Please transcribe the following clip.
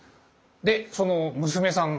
でその娘さん。